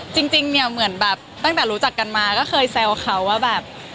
จริงเนี่ยเหมือนแบบตั้งแต่รู้จักกันมาก็เคยแซวเขาว่าแบบ